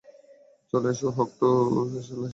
চলে এসো, হক-টু চলে এসো, হক-টু।